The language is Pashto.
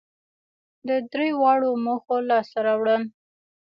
د درېواړو موخو لاسته راوړل